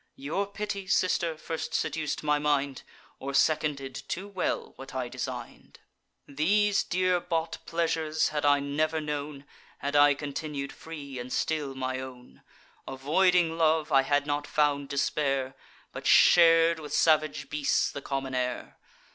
Your pity, sister, first seduc'd my mind, Or seconded too well what I design'd. These dear bought pleasures had I never known, Had I continued free, and still my own; Avoiding love, I had not found despair, But shar'd with salvage beasts the common air.